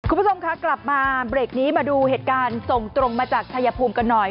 คุณผู้ชมคะกลับมาเบรกนี้มาดูเหตุการณ์ส่งตรงมาจากชายภูมิกันหน่อย